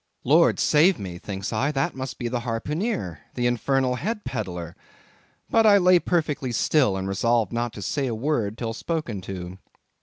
Lord save me, thinks I, that must be the harpooneer, the infernal head peddler. But I lay perfectly still, and resolved not to say a word till spoken to.